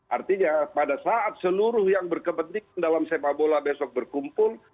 artinya pada saat seluruh yang berkepentingan dalam sepak bola besok berkumpul